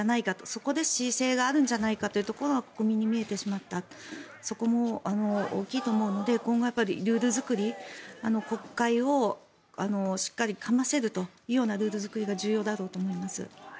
そこに恣意性があるんじゃないかということが国民に見えてしまったそこも大きいと思うので今後、ルール作り国会をしっかりかませるというようなルール作りが重要だろうと思います。